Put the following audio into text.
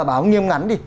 tờ báo nghiêm ngắn đi